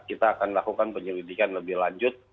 kita akan lakukan penyelidikan lebih lanjut